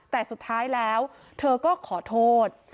แต่สุดท้ายแล้วเธอก็ขอโทษ